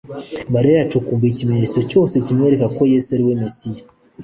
Mariya yacukumbuye ikimenyetso cyose kimwemeza ko Yesu ari we Mesiya